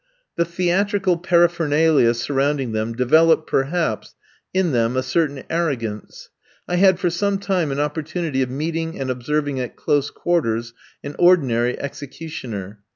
The theatrical paraphernalia surrounding them developed, perhaps, in them a certain arrogance. I had for some time an opportunity of meeting and observing at close quarters an ordinary executioner.